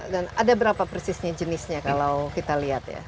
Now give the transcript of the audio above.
dan ada berapa persisnya jenisnya kalau kita lihat ya